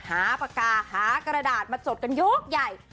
หาปากกาหากระดาษมาจดกันยกใหญ่